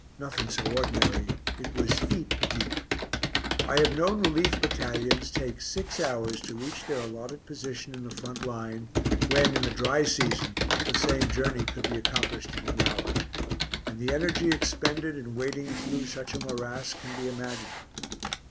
Nothing so ordinary; it was feet deep. I have known relief battalions take six hours to reach their allotted position in the front line, when, in the dry season, the same journey could be accomplished in an hour; and the energy expended in wading through such a morass can be imagined.